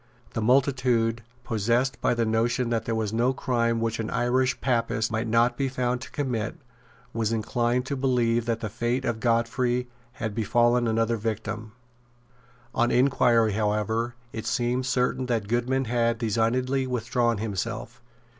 The multitude, possessed by the notion that there was no crime which an Irish Papist might not be found to commit, was inclined to believe that the fate of Godfrey had befallen another victim. On inquiry however it seemed certain that Goodman had designedly withdrawn himself.